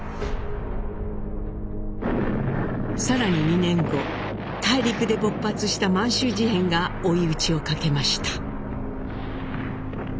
更に２年後大陸で勃発した満州事変が追い打ちをかけました。